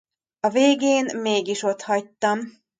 A végén mégis otthagytam.